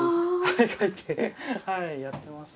描いてはいやってます。